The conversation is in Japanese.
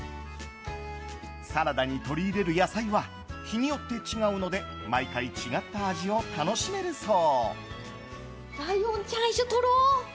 サラダに取り入れる野菜は日によって違うので毎回違った味を楽しめるそう。